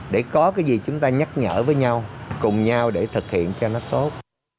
để có cái gì chúng ta nhắc nhở với nhau cùng nhau để thực hiện cho nó tốt